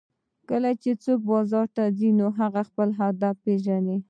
کله چې څوک بازار ته ځي نو هغه خپل هدف پېژني